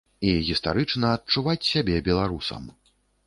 І гістарычна адчуваць сябе беларусам.